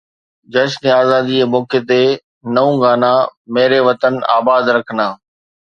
جشن آزادي جي موقعي تي نئون گانا ميري وطن آباد رخانه